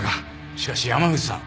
しかし山口さん